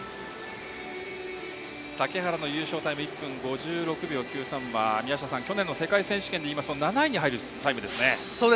竹原の優勝タイム１分５６秒６３は去年の世界選手権でいうと７位に入るタイムですね。